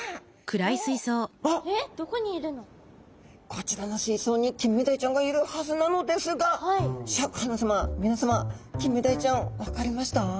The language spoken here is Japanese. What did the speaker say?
こちらの水槽にキンメダイちゃんがいるはずなのですがシャーク香音さま皆さまキンメダイちゃん分かりました？